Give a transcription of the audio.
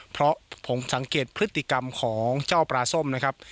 เพราะผมสังเกตพฤติกรรมของเจ้าปลาส้มนะครับ